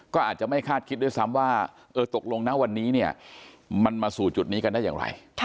ก็อาจจะไม่คาดคิดด้วยซ้ำว่าตกลงนะวันนี้เนี่ยมันมาสู่จุดนี้กันได้อย่างไร